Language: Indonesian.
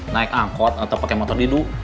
naik angkot atau pakai motor didu